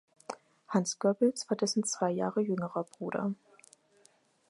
Hans Goebbels war dessen zwei Jahre jüngerer Bruder.